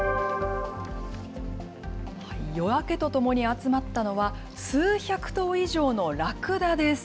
夜明けとともに集まったのは、数百頭以上のラクダです。